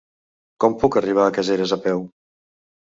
Com puc arribar a Caseres a peu?